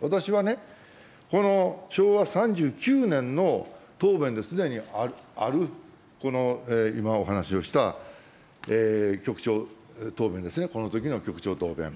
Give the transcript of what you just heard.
私はね、この昭和３９年の答弁ですでにある、この今、お話をした、局長答弁ですね、このときの局長答弁。